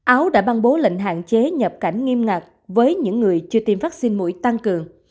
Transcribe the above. áo đã ban bố lệnh hạn chế nhập cảnh nghiêm ngặt với những người chưa tiêm vaccine mũi tăng cường